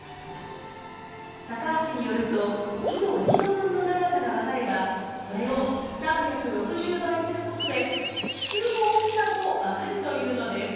高橋によると緯度１度分の長さが分かればそれを３６０倍することで地球の大きさも分かるというのです。